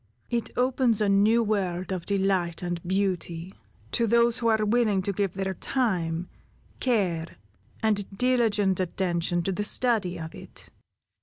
It opens a new world of delight and beauty, to those who are willing to give their time, care, and diligent attention to the study of it.